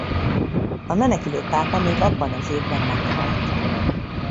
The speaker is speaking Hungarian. A menekülő pápa még abban az évben meghalt.